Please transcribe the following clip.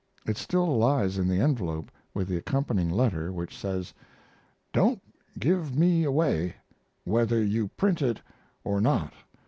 It still lies in the envelope with the accompanying letter, which says: Don't give me away, whether you print it or not.